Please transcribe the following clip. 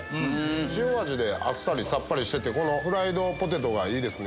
塩味であっさりさっぱりしててフライドポテトがいいですね。